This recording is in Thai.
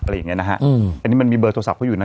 อะไรอย่างเงี้นะฮะอืมอันนี้มันมีเบอร์โทรศัพท์เขาอยู่นะ